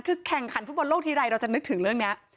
คือแข่งขันฟุตบอลโลกทีไรเราจะนึกถึงเรื่องนี้